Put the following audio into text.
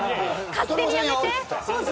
勝手にやめて。